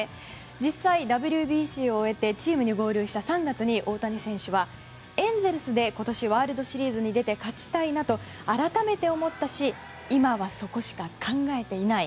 実際、ＷＢＣを終えてチームに合流した３月に大谷選手はエンゼルスで今年ワールドシリーズに出て勝ちたいなと改めて思ったし今はそこしか考えていない。